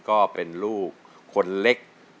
ก็เป็นลูกคนเล็ก